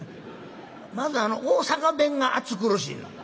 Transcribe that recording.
まず大阪弁が暑苦しい。